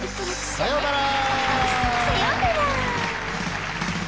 ああさようなら。